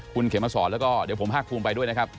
คุณเขมสอนแล้วก็เดี๋ยวผมภาคภูมิไปด้วยนะครับ